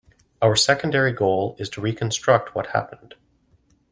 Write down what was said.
Our secondary goal is to reconstruct what happened.